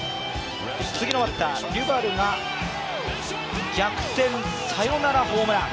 次のバッター、デュバルが逆転サヨナラホームラン。